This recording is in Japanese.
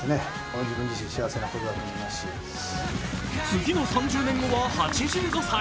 次の３０年後は８５歳。